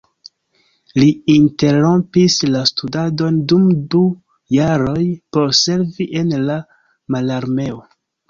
Li interrompis la studadon dum du jaroj por servi en la mararmeo.